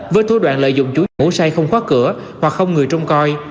với thối đoạn lợi dụng chú nhà ngủ say không khóa cửa hoặc không người trông coi